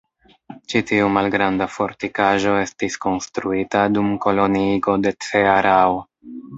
Ĉi tiu malgranda fortikaĵo estis konstruita dum koloniigo de Cearao.